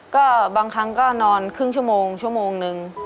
ก็บางครั้งก็นอนครึ่งชั่วโมงชั่วโมงนึง